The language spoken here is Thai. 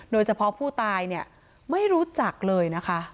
โดยเฉพาะผู้ตายเนี่ยไม่รู้จักเลยนะคะ